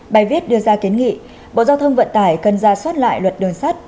bài viết đưa ra kiến nghị bộ giao thông vận tải cần ra soát lại luật đường sắt